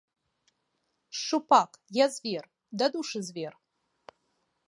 Шчупак, я звер, дадушы звер.